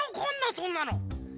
そんなの！